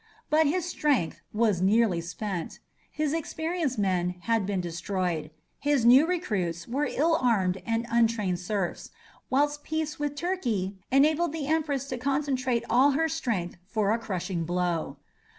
But his strength was nearly spent; his experienced men had been destroyed; his new recruits were ill armed and untrained serfs, whilst peace with Turkey enabled the Empress to concentrate all her strength for a crushing blow.